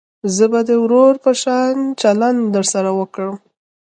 زه به د ورور په شان چلند درسره وکم.